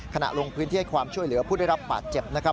ขณะลงพื้นที่ให้ความช่วยเหลือผู้ได้รับบาดเจ็บนะครับ